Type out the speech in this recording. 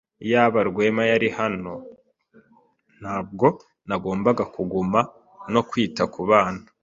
Iyaba Rwema yari hano, ntabwo nagomba kuguma no kwita kubana.